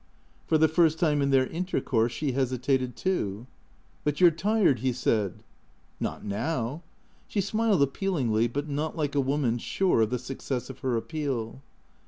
" For the first time in their inter course she hesitated too. " But you 're tired ?" he said. " Not now." She smiled appealingly, but not like a woman sure of the success of her appeal.